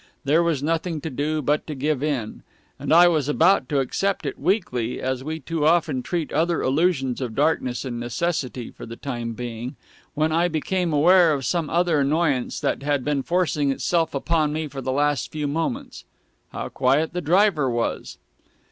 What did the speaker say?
There was nothing to do but to give in and I was about to accept it weakly, as we too often treat other illusions of darkness and necessity, for the time being, when I became aware of some other annoyance that had been forcing itself upon me for the last few moments. How quiet the driver was!